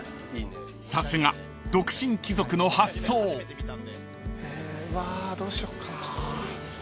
［さすが独身貴族の発想］わどうしようかな。